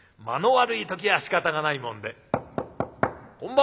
間の悪い時はしかたがないもんで。